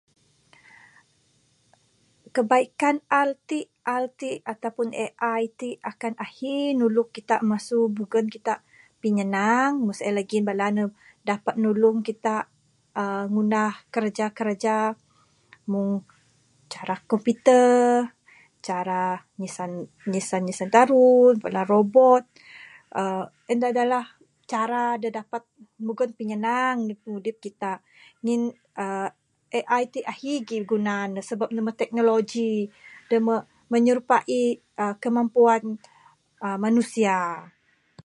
Kebaikkan AL ti, AL ti ato pun AI akan ahi nulung kita masu mugon kita pinyanang, meh sien lagih bala ne dapat nulung kita, aaa ngunah kiraja kiraja mung cara computer. Cara nyisan nyisan nyisan tarun, bala robot, aaa en saja lah cara da dapat mugon pinyanang pimudip kita ngin AI ti ahi gih guna ne, sebab ne meh teknologi da meh menyerupai aa kemampuan manusia.